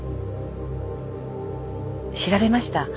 調べました。